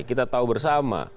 kita tahu bersama